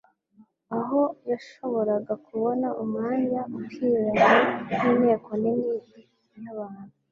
aho yashoboraga kubona umwanya ukwiranye n'inteko nini y'abantu,